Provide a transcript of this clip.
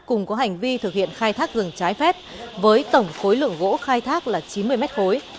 cùng có hành vi thực hiện khai thác rừng trái phép với tổng khối lượng gỗ khai thác là chín mươi mét khối